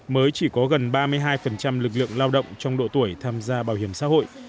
mới chỉ có gần ba mươi hai lực lượng lao động trong độ tuổi tham gia bảo hiểm xã hội